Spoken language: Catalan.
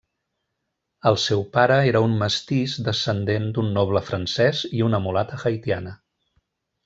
El seu pare era un mestís descendent d'un noble francès i una mulata haitiana.